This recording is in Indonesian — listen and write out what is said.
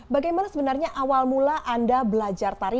bagaimana sebenarnya awal mula anda belajar tari